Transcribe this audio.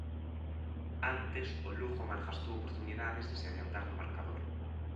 Antes, o Lugo malgastou oportunidades de se adiantar no marcador.